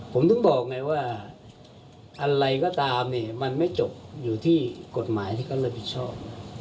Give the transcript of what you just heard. ผมถึงบอกไงว่าอะไรก็ตามเนี่ยมันไม่จบอยู่ที่กฎหมายที่เขารับผิดชอบ